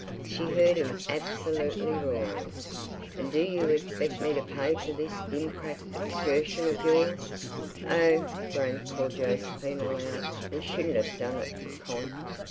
She heard him absolutely roaring. "And do you expect me to pay for this gimcrack excursion of yours?" "Oh," groaned poor Josephine aloud, "we shouldn't have done it, Con!"